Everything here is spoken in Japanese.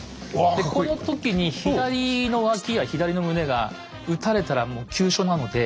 でこの時に左の脇や左の胸がうたれたらもう急所なので。